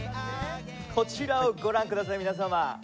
こちらをご覧ください